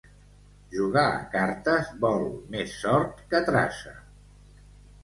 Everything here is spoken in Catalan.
Jugar a cartes vol més sort que traça.